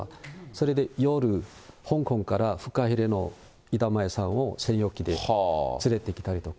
それで夜、香港からふかひれの板前さんを専用機で連れてきたりとか。